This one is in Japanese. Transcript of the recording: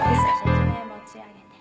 持ち上げる。